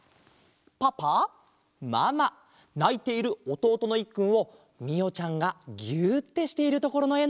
パパママないているおとうとのいっくんをみおちゃんがぎゅってしているところのえ